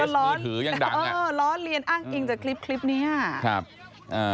เล็นอ้ั่งอิงจากคลิปนี้